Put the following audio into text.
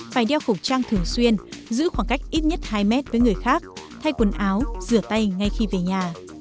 phải đeo khẩu trang thường xuyên giữ khoảng cách ít nhất hai mét với người khác thay quần áo rửa tay ngay khi về nhà